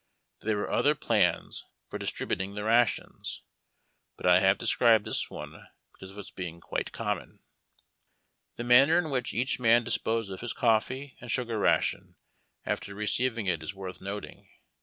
There were other plans for distribu ting tlie rations ; but I have described this one because of its being quite common. The manner in which each man disposed of his coffee and sugar ration after receiving it is worth noting.